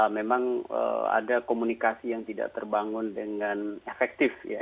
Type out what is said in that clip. memang ada komunikasi yang tidak terbangun dengan efektif ya